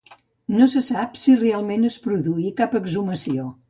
No se sap si realment es produí cap exhumació.